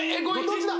どっちだ？